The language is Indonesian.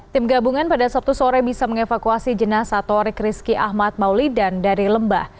tim gabungan pada sabtu sore bisa mengevakuasi jenazah torik rizky ahmad maulidan dari lembah